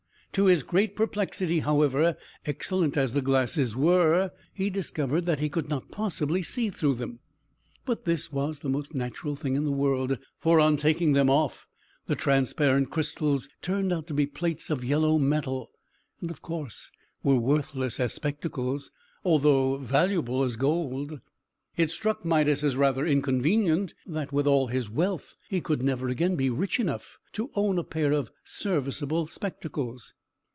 To his great perplexity, however, excellent as the glasses were, he discovered that he could not possibly see through them. But this was the most natural thing in the world; for, on taking them off, the transparent crystals turned out to be plates of yellow metal, and, of course, were worthless as spectacles, though valuable as gold. It struck Midas, as rather inconvenient that, with all his wealth, he could never again be rich enough to own a pair of serviceable spectacles.